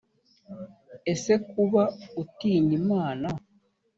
ese kuba utinya imana